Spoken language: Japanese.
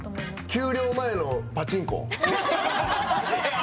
給料前のパチンコ。